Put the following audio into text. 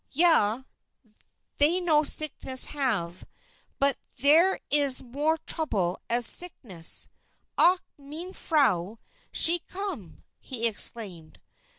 Ja they no sickness have. But there iss more trouble as sickness Ach! mein Frau, she come!" he exclaimed.